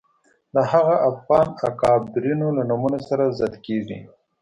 د هغو افغان اکابرینو له نومونو سره ضد کېږي